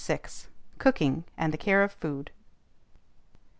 COOKING, AND THE CARE OF FOOD.